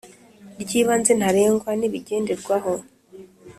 Ry ibanze ntarengwa n ibigenderwaho